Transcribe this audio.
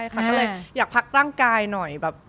ก็เลยอยากพักร่างกายหน่อย